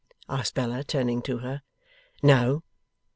asked Bella, turning to her. 'No!